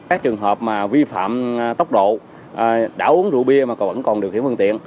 các trường hợp vi phạm tốc độ đã uống rượu bia mà còn vẫn còn điều khiển phương tiện